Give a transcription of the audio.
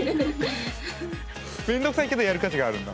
メンドくさいけどやる価値があるんだ。